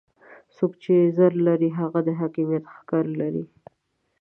څوک چې زر لري هغه د حاکميت ښکر لري.